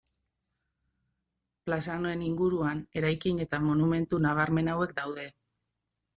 Plaza honen inguruan eraikin eta monumentu nabarmen hauek daude.